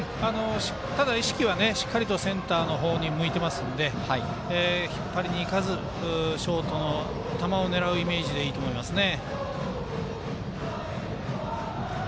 ただ意識はしっかりセンターに向いているので引っ張りに行かずショートの球を狙うイメージでいいと思いますね。